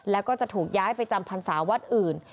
แล้วก็จะถูกย้ายไปจำพรรษาวัดอื่น